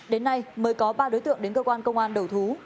đến nay mới có ba đối tượng đến cơ quan công an đầu thú